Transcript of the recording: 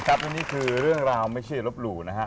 ครับวันนี้คือเรื่องราวไม่ใช่ลบหลู่นะฮะ